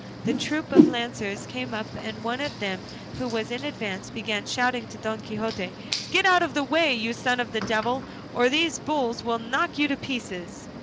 The troop of lancers came up, and one of them who was in advance began shouting to Don Quixote, "Get out of the way, you son of the devil, or these bulls will knock you to pieces!"